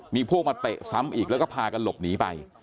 มีพวกมาเตะซ้ำอีกแล้วก็พากันหลบหนีไป